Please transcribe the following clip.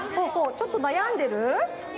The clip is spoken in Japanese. ちょっとなやんでる？